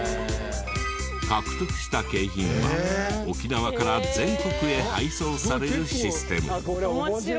獲得した景品は沖縄から全国へ配送されるシステム。